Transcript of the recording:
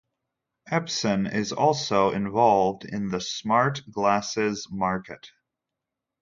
Epson is also involved in the smart glasses market.